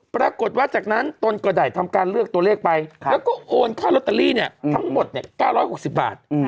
ปรากฏว่าจากนั้นตนก็ได้ทำการเลือกตัวเลขไปแล้วก็โอนค่าลอตเตอรี่ทั้งหมด๙๖๐บาท